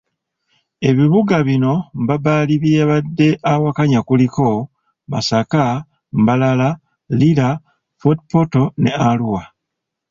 Ebibuga bino Mbabali bye yabadde awakanya kuliko; Masaka, Mbarara, Lira, Fort portal ne Arua.